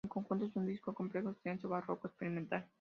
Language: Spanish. En conjunto es un disco complejo, extenso, barroco, experimental.